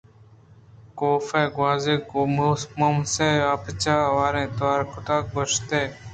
کاف ءِ گوٛزگ ءَ گوں مومسءَ آپجّاہ آؤرت ءُتوار کُت ءُگوٛشتئے